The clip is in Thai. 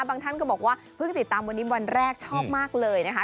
ท่านก็บอกว่าเพิ่งติดตามวันนี้วันแรกชอบมากเลยนะคะ